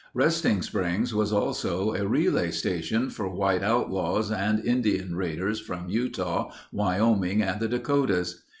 Resting Springs was also a relay station for white outlaws and Indian raiders from Utah, Wyoming, and the Dakotas.